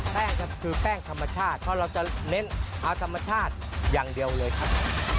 ครับคือแป้งธรรมชาติเพราะเราจะเน้นเอาธรรมชาติอย่างเดียวเลยครับ